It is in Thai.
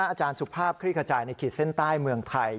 อาจารย์สุภาพคลี่ขจายในขีดเส้นใต้เมืองไทย